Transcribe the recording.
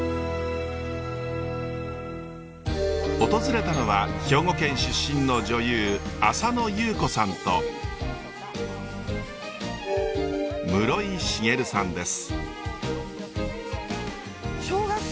訪れたのは兵庫県出身の女優浅野ゆう子さんと室井滋さんです。